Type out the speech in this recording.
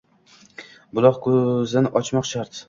Buloq ko‘zin ochmoq shart.